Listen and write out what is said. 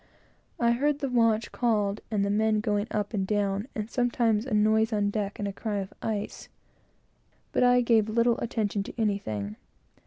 I heard the watch called, and the men going up and down, and sometimes a noise on deck, and a cry of "ice," but I gave little attention to anything.